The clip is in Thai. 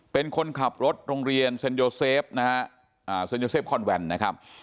เป็นคนขับรถโรงเรียนเซ็นโยเซฟคอนแวนนะครับ